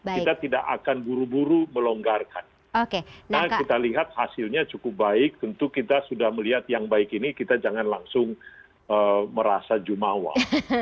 kita tidak akan buru buru melonggarkan karena kita lihat hasilnya cukup baik tentu kita sudah melihat yang baik ini kita jangan langsung merasa jumawa